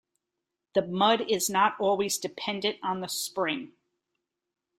The mud is not always dependent on the spring.